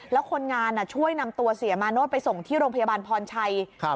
แล้วคนงานช่วยนำตัวเสียมาโน้ตไปส่งที่โรงพยาบาลพรชัย